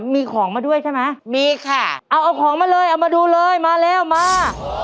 มีของมาด้วยใช่ไหมมีค่ะเอาเอาของมาเลยเอามาดูเลยมาแล้วมา